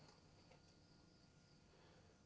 lihat kakek kakek juga duitnya banyak mobilnya ada tujuh belas